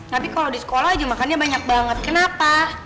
tapi kalau di sekolah aja makannya banyak banget kenapa